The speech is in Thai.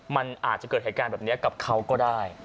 มันอาจจะเกิดเหตุการณ์แบบนี้กับเขาก็ได้